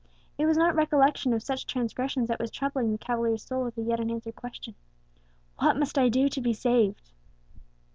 It was not recollection of such transgressions that was troubling the cavalier's soul with the yet unanswered question, "What must I do to be saved?"